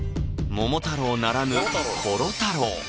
「桃太郎」ならぬ「コロ太郎」